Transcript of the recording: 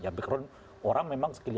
ya background orang memang